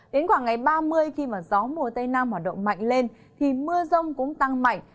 đến khoảng ngày ba mươi khi gió mùa tây nam hoạt động mạnh lên thì mưa rông cũng tăng mạnh